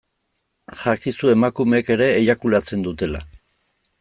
Jakizu emakumeek ere eiakulatzen dutela.